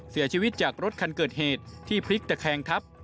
เสียชีวิตจากรถคันเกิดเหตุที่พลิกตะแคงทับ